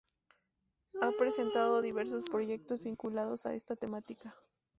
Ha presentado diversos Proyectos vinculados a esta temática.